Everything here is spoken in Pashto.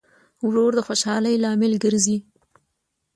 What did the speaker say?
ورور د خوشحالۍ لامل دی.